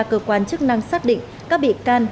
cơ quan chức năng xác định các bị can